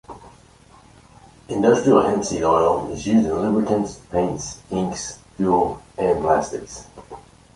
Industrial hempseed oil is used in lubricants, paints, inks, fuel, and plastics.